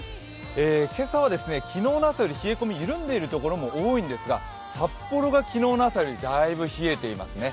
今朝は昨日の朝より冷え込み緩んでいるところが多いんですが札幌が昨日の朝よりだいぶ冷えていますね。